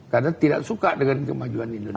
karena tidak suka dengan kemajuan indonesia